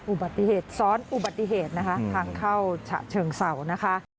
อุบัติเหตุซ้อนอุบัติเหตุนะคะทางเข้าฉะเชิงเศร้านะคะ